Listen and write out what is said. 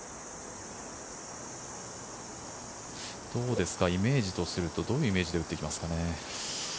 どうですか、イメージするとどういうイメージで打ってきますかね？